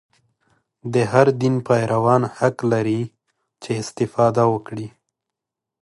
د هر دین پیروان حق لري چې استفاده وکړي.